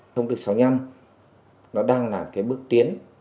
thông tư sáu mươi năm nó đang là cái bước tiến